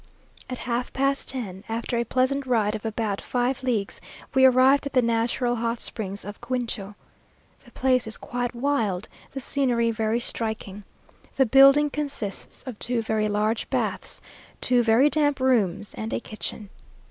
At half past ten, after a pleasant ride of about five leagues, we arrived at the natural hot springs of Cuincho. The place is quite wild, the scenery very striking. The building consists of two very large baths, two very damp rooms, and a kitchen.